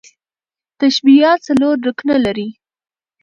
تشبیه څلور رکنه لري.